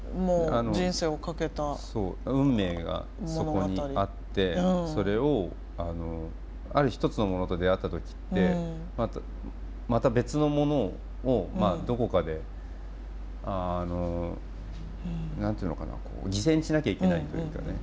そう運命がそこにあってそれをある一つのものと出会った時ってまた別のものをどこかであの何て言うのかな犠牲にしなきゃいけないというかね。